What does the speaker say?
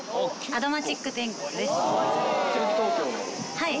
はい。